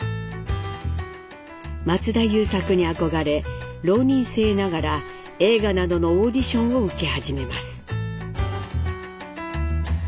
松田優作に憧れ浪人生ながら映画などのオーディションを受け始めます。